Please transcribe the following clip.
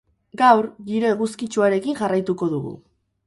Gaur, giro eguzkitsuarekin jarraituko dugu.